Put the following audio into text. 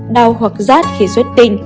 đau hoặc rát khi xuất tinh